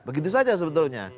begitu saja sebetulnya